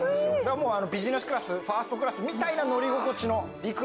もうビジネスクラスファーストクラスみたいな乗り心地。